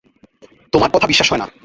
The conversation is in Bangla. তোমার কথা বিশ্বাস হয়না।